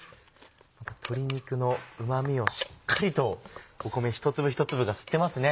鶏肉のうま味をしっかりと米一粒一粒が吸ってますね。